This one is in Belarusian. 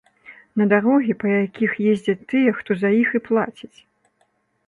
На дарогі, па якіх ездзяць тыя, хто за іх і плаціць.